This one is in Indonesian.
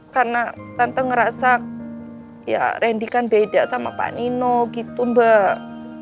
karena tante ngerasa ya rendy kan beda sama pak nino gitu mbak